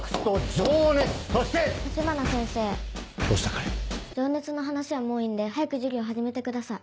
情熱の話はもういいんで早く授業始めてください。